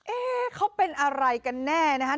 เอ๊เขาเป็นอะไรกันแน่นะฮะ